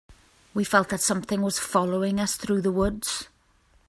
We felt that something was following us through the woods.